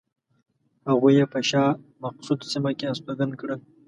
هغوی یې په شاه مقصود سیمه کې استوګن کړل.